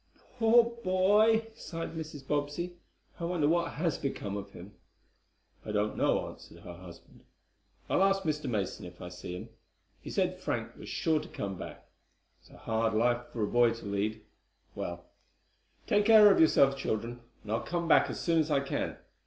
"Poor boy," sighed Mrs. Bobbsey. "I wonder what has become of him?" "I don't know," answered her husband. "I'll ask Mr. Mason, if I see him. He said Frank was sure to come back. It is a hard life for a boy to lead. Well, take care of yourselves, children, and I'll come back as soon as I can.